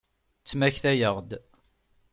Ttmektayeɣ-d.